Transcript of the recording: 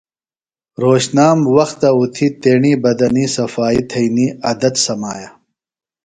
رھوشنام وختہ اُتھیۡ تیݨی بدنی صفائی تھئنی عدت سمایہ۔